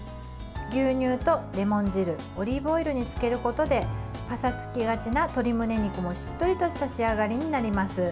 牛乳とレモン汁オリーブオイルにつけることでパサつきがちな鶏むね肉もしっとりした仕上がりになります。